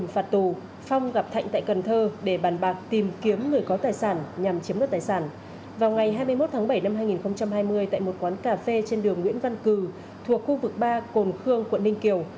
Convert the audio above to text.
vào ngày hai mươi một tháng bảy năm hai nghìn hai mươi tại một quán cà phê trên đường nguyễn văn cử thuộc khu vực ba cồn khương quận ninh kiều